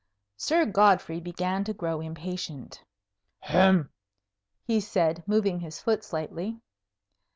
Sir Godfrey began to grow impatient. "Hem!" he said, moving his foot slightly.